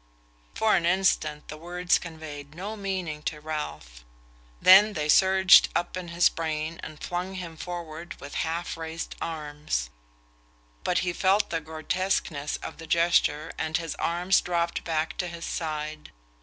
For an instant the words conveyed no meaning to Ralph; then they surged up into his brain and flung him forward with half raised arm. But he felt the grotesqueness of the gesture and his arm dropped back to his side.